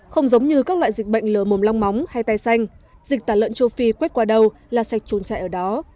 không giống như các loại dịch bệnh lờ mồm long móng hay tai xanh dịch tả lợn châu phi quét qua đầu là sạch trốn chạy ở đó